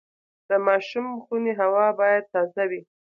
د ماشوم خونې هوا باید تازه وي۔